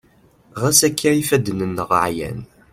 ɣas akka ifadden-nneɣ ɛyan